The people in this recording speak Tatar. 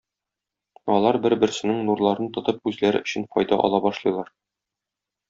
Алар бер-берсенең нурларын тотып үзләре өчен файда ала башлыйлар.